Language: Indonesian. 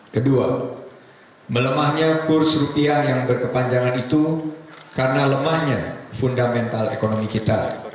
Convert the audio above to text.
kedua melemahnya kurs rupiah yang berkepanjangan itu karena lemahnya fundamental ekonomi kita